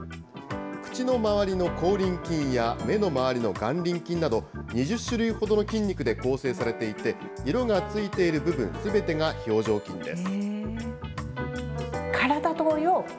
口の周りの口輪筋や目の周りの眼輪筋など、２０種類ほどの筋肉で構成されていて、色がついている部分すべてが表情筋です。